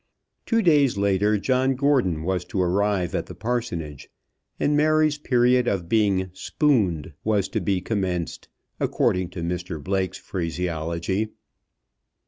Two days later John Gordon was to arrive at the Parsonage, and Mary's period of being "spooned" was to be commenced, according to Mr Blake's phraseology.